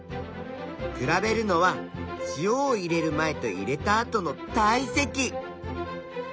比べるのは塩を入れる前と入れた後の体積。